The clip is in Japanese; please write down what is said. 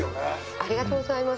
ありがとうございます。